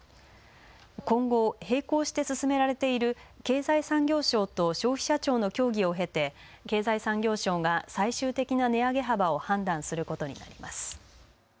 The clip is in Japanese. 今後並行して進められている経済産業省と消費者庁の協議を経て経済産業省が最終的な値上げ幅を判断することになります。